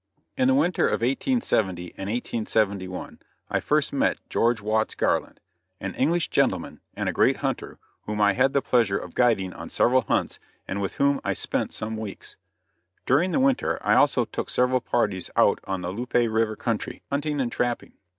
In the winter of 1870 and 1871 I first met George Watts Garland, an English gentleman, and a great hunter, whom I had the pleasure of guiding on several hunts and with whom I spent some weeks. During the winter I also took several parties out on the Loupe River country, hunting and trapping.